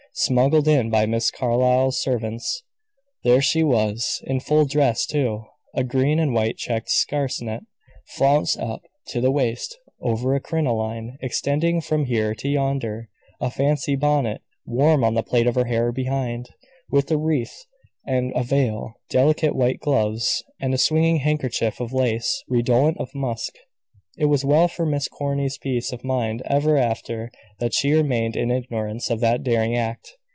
Smuggled in by Miss Carlyle's servants, there she was in full dress, too. A green and white checked sarcenet, flounced up to the waist, over a crinoline extending from here to yonder; a fancy bonnet, worn on the plait of hair behind, with a wreath and a veil; delicate white gloves, and a swinging handkerchief of lace, redolent of musk. It was well for Miss Corny's peace of mind ever after that she remained in ignorance of that daring act.